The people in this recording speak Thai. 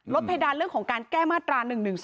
เพดานเรื่องของการแก้มาตรา๑๑๒